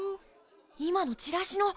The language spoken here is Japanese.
今のチラシの！